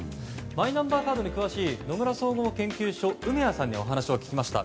マイナンバーカードに詳しい野村総合研究所の梅屋さんに聞きました。